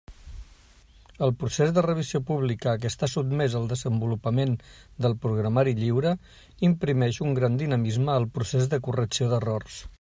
El procés de revisió pública a què està sotmès el desenvolupament del programari lliure imprimeix un gran dinamisme al procés de correcció d'errors.